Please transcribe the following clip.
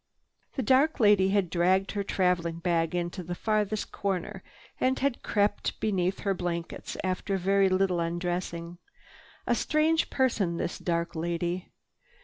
The dark lady had dragged her traveling bag into the farthest corner and had crept beneath her blankets after very little undressing. A very strange person, this dark lady.